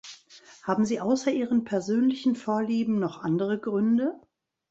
Haben Sie außer Ihren persönlichen Vorlieben noch andere Gründe?